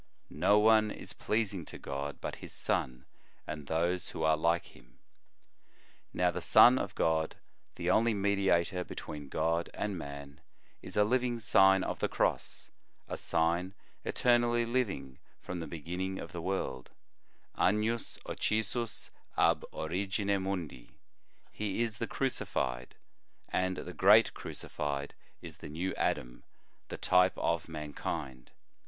No one is pleasing to God but His Son, and those who are like Him. Now, the Son of God, the only Mediator between God and man, is a living Sign of the Cross, a sign eternally living, from the begin ning of the world : Agnus occisus ab orinne O O o mundi. He is the great Crucified, and the great Crucified is the new Adam, the type of mankind.